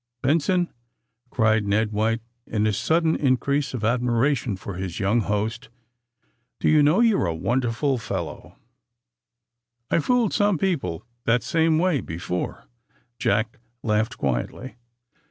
"Benson," cried Ned White, in a sudden in crease of admiration for his young host, "do you know, you're a wonderful fellow 1" "I've fooled some people that same way bo fore," Jack laughed quietly.